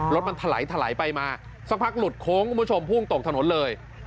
รถมันถลายถลายไปมาสักพักหลุดโค้งคุณผู้ชมพุ่งตกถนนเลย